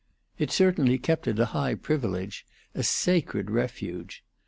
It certainly kept it a high privilege, a sacred refuge.